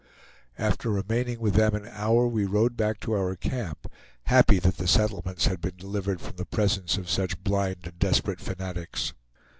After remaining with them an hour we rode back to our camp, happy that the settlements had been delivered from the presence of such blind and desperate fanatics.